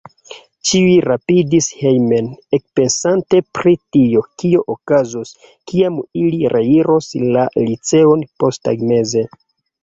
Ĉiuj rapidis hejmen, ekpensante pri tio, kio okazos, kiam ili reiros la liceon posttagmeze.